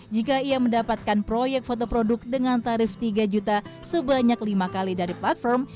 jika ia mendapatkan proyek fotoproduk dengan tarif tiga juta sebanyak lima kali dari platform